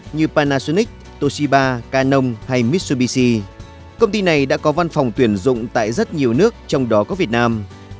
như panasonic toshiba canon hay mitsubishi công ty này đã có văn phòng tuyển dụng tại rất nhiều nước trong đó có việt nam